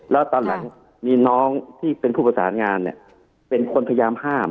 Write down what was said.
แล้วตอนหลังมีน้องที่เป็นผู้ประสานงานเนี่ยเป็นคนพยายามห้าม